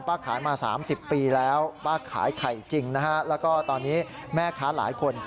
ขายมา๓๐ปีแล้วป้าขายไข่จริงนะฮะแล้วก็ตอนนี้แม่ค้าหลายคน